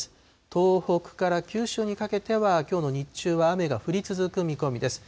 東北から九州にかけては、きょうの日中は雨が降り続く見込みです。